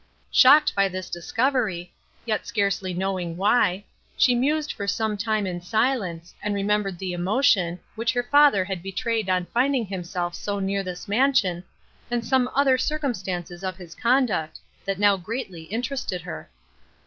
Shocked by this discovery, yet scarcely knowing why, she mused for some time in silence, and remembered the emotion, which her father had betrayed on finding himself so near this mansion, and some other circumstances of his conduct, that now greatly interested her.